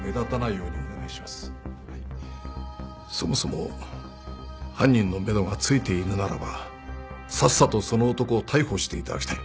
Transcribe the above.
そもそも犯人のめどがついているならばさっさとその男を逮捕していただきたい。